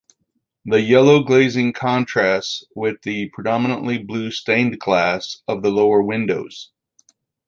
The yellow glazing contrasts with the predominantly blue stained glass of the lower windows.